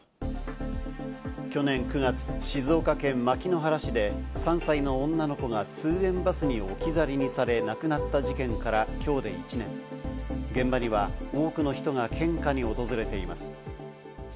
去年９月、静岡県牧之原市で３歳の女の子が通園バスに置き去りにされ亡くなった事件からきょうで１年、現場には多くの人が献花に訪れています。